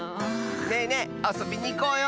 ねえねえあそびにいこうよ！